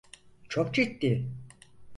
Çok ciddi.